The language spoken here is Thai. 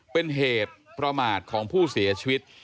เป็นเหตุประมาทของผู้เสียชีวิต